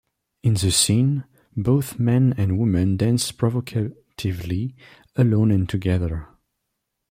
In the scene, both men and women dance provocatively alone and together.